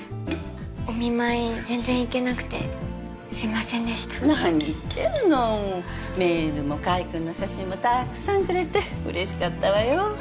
お見舞い全然行けなくてすいませんでした何言ってるのメールも海くんの写真もたくさんくれて嬉しかったわよ